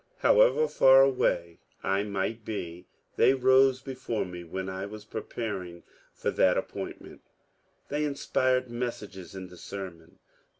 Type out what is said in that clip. However far away I might be, they rose before me when I was preparing for that appoint ment; they inspired passages in the sermon.